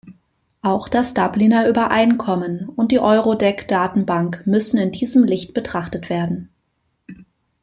Auch das Dubliner Übereinkommen und die Eurodac-Datenbank müssen in diesem Licht betrachtet werden.